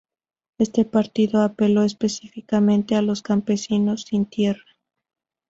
Este partido apeló específicamente a los campesinos sin tierra.